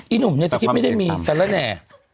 อี๋หนุ่มยังคิดไม่ได้มีแสดงแน่